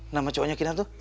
nama cowoknya kinar tuh